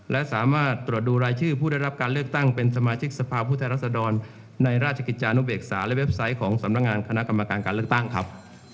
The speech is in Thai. และสามารถตรวจดูรายชื่อผู้ได้รับการเลือกตั้งเป็นสมาชิกสภาพผู้แทนรัศดรในราชกิจจานุเบกษาและเว็บไซต์ของสำนักงานคณะกรรมการการเลือกตั้งครับ